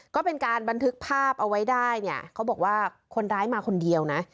ก็เป็นการบันทึกภาพเอาไว้ได้เนี่ยเขาบอกว่าคนร้ายมาคนเดียวนะ